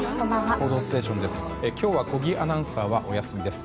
「報道ステーション」です。